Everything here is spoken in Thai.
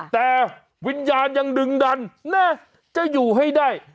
แต่วิญญาณยังดึงดันจะอยู่ให้ได้